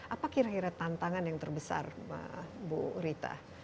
apa kira kira tantangan yang terbesar bu rita